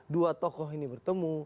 dua tokoh ini bertemu